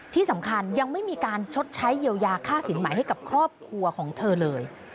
ที่สำคัญยังไม่มีการชดใช้เยียวยาค่าสินใหม่ให้กับครอบครัวของเธอเลย